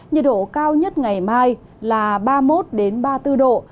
nhiệt độ cao nhất ngày mai là ba mươi một ba mươi bốn độ